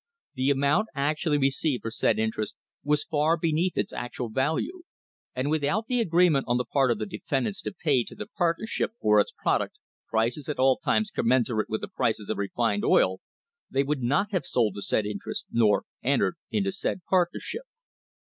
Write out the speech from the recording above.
The amount actually received for said interest was far beneath its actual value, and without the agreement on the part of the defendants to pay to the partnership for its product prices at all times commensurate with the prices of refined oil, they would not have sold the said interest nor entered into said partnership.